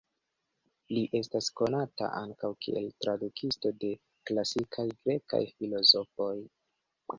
Li estas konata ankaŭ kiel tradukisto de klasikaj grekaj filozofoj.